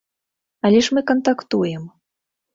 Але ж мы кантактуем.